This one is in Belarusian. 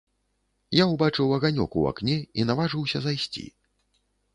Я ўбачыў аганёк у акне і наважыўся зайсці.